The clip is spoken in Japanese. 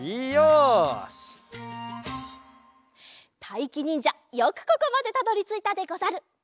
たいきにんじゃよくここまでたどりついたでござる。